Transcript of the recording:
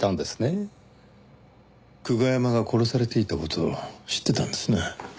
久我山が殺されていた事を知ってたんですね。